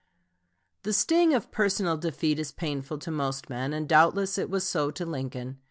The sting of personal defeat is painful to most men, and doubtless it was so to Lincoln.